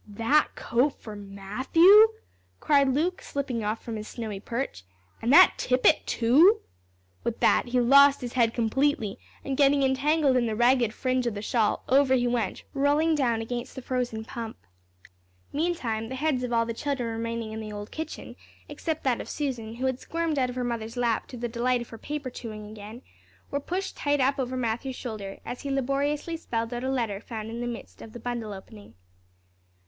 "That coat for Matthew!" cried Luke, slipping off from his snowy perch; "an' that tippet, too!" With that he lost his head completely, and, getting entangled in the ragged fringe of the shawl, over he went, rolling down against the frozen pump. Meantime the heads of all the children remaining in the old kitchen, except that of Susan, who had squirmed out of her mother's lap to the delight of her paper chewing again, were pushed tight up over Matthew's shoulder, as he laboriously spelled out a letter found in the midst of the bundle opening.